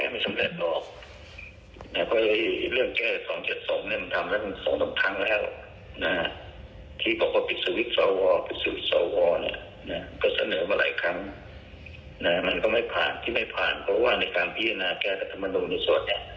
มันก็ไม่ผ่านที่ไม่ผ่านเพราะว่าในการพิจารณาแก้รัฐมนุนในส่วนนี้